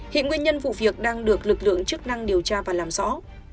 hiện nguyên nhân vụ việc đang được lực lượng chức năng điều tra và làm rõ